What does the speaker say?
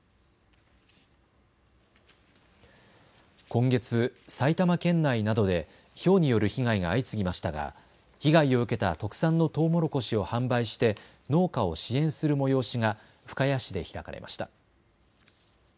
今月、埼玉県内などでひょうによる被害が相次ぎましたが被害を受けた特産のとうもろこしを販売して農家を支援する催しが深谷市で開かれました。